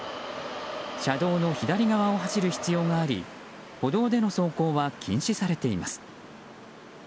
車道の左側を走る必要があり歩道での走行は禁止されています。